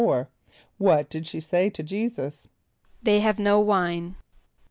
= What did she say to J[=e]´[s+]us? ="They have no wine."